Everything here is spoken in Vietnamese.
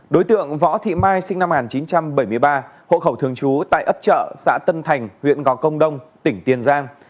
đối tượng võ thị mai sinh năm một nghìn chín trăm bảy mươi ba hộ khẩu thường trú tại ấp chợ xã tân thành huyện gò công đông tỉnh tiền giang